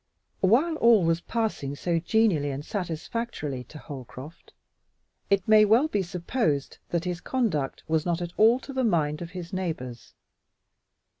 While all was passing so genially and satisfactorily to Holcroft, it may well be supposed that his conduct was not at all to the mind of his neighbors.